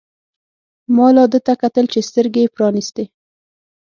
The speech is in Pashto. ما لا ده ته کتل چې سترګې يې پرانیستې.